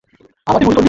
আমাকে গুলি করবি না!